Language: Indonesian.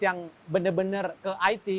yang bener bener ke it